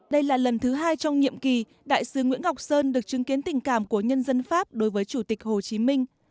đây là lần thứ hai trong nhiệm kỳ đại sứ nguyễn ngọc sơn được chứng kiến tình cảm của nhân dân pháp đối với chủ tịch hồ chí minh